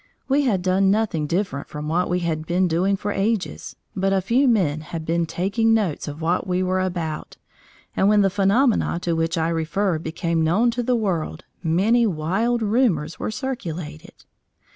We had done nothing different from what we had been doing for ages, but a few men had been taking note of what we were about, and when the phenomena to which I refer became known to the world, many wild rumours were circulated.